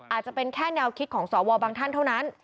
อาจจะเป็นแค่แนวคิดของสวบางท่านเท่านั้น